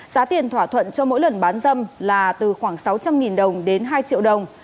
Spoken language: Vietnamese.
giá tiền thỏa thuận cho mỗi lần bán dâm là từ khoảng sáu trăm linh đồng đến hai triệu đồng